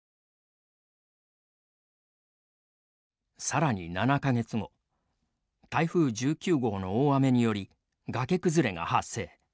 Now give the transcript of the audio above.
さらに７か月後台風１９号の大雨によりがけ崩れが発生。